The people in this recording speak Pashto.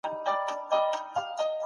که انټرنېټ چټک وي، درس پرې نه کېږي.